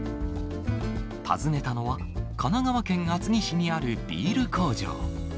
訪ねたのは、神奈川県厚木市にあるビール工場。